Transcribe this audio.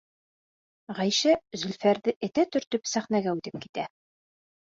Ғәйшә Зөлфәрҙе этә төртөп сәхнәгә үтеп китә.